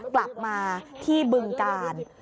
กลับมาที่บึงกาล